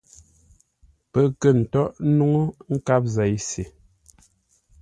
Pə́ kə̂ ntóghʼ nuŋú nkâp zei se.